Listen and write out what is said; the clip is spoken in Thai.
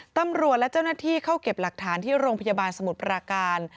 ตำรวจและเจ้าหน้าที่เข้าเก็บหลักฐานที่โรงพยาบาลสมุทรปราการ